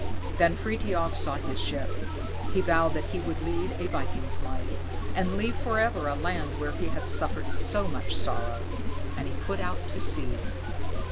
Then Frithiof sought his ship. He vowed that he would lead a viking's life, and leave forever a land where he had suffered so much sorrow. And he put out to sea.